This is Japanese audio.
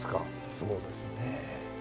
そうですねぇ。